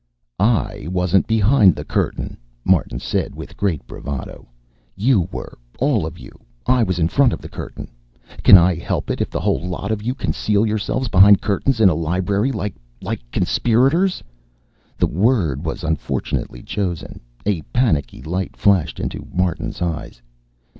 "I wasn't behind the curtain," Martin said, with great bravado. "You were. All of you. I was in front of the curtain. Can I help it if the whole lot of you conceal yourselves behind curtains in a library, like like conspirators?" The word was unfortunately chosen. A panicky light flashed into Martin's eyes.